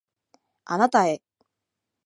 あなたへ